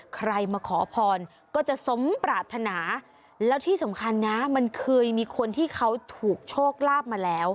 ใครมาขอพรก็จะสมปรารถนาแล้วที่สำคัญนะมันเคยมีคนที่เขาถูกโชคลาภมาแล้ว